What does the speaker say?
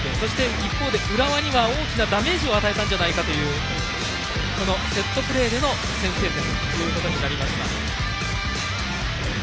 一方で浦和には大きなダメージを与えたんじゃないかというセットプレーでの先制点ということになりました。